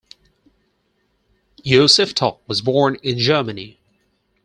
Yoseftal was born in Germany.